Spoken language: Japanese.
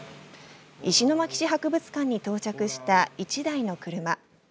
石巻市博物館に到着した１台の車。